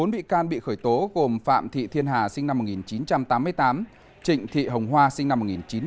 bốn bị can bị khởi tố gồm phạm thị thiên hà sinh năm một nghìn chín trăm tám mươi tám trịnh thị hồng hoa sinh năm một nghìn chín trăm tám mươi